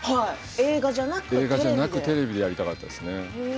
映画じゃなくテレビでやりたかったですね。